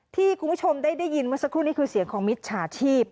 ที่คุณผู้ชมได้ยินเมื่อสักครู่นี้คือเสียงของมิจฉาชีพ